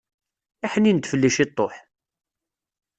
Iḥnin-d fell-i ciṭuḥ!